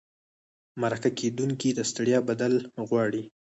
مرکه کېدونکي د ستړیا بدل غواړي.